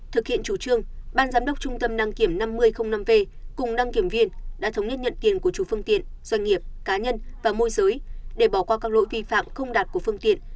thực hiện chủ trương ban giám đốc trung tâm đăng kiểm năm mươi năm v cùng đăng kiểm viên đã thống nhất nhận tiền của chủ phương tiện doanh nghiệp cá nhân và môi giới để bỏ qua các lỗi vi phạm không đạt của phương tiện